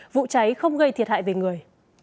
vụ cháy không gây thiệt hại về người